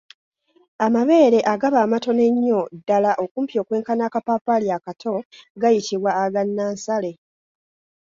Amabeere agaba amatono ennyo ddala kumpi kwenkana akapaapaali akato gayitibwa aga nansale.